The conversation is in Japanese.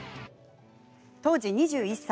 当時２１歳。